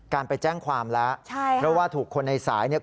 การไปแจ้งความละใช่ครับเพราะว่าถูกคนในสายเนี้ย